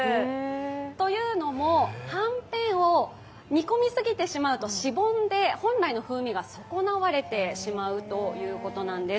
というのも、はんぺんを煮込みすぎてしまうとしぼんで、本来の風味が損なわれてしまうということなんです。